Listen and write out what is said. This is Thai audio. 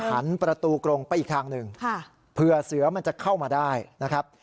หันประตูกรงไปอีกทางหนึ่งเผื่อเสือมันจะเข้ามาได้นะครับ